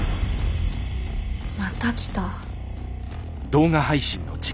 また来た。